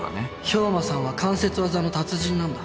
兵馬さんは関節技の達人なんだ